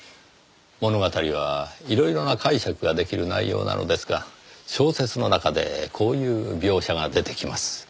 物語はいろいろな解釈が出来る内容なのですが小説の中でこういう描写が出てきます。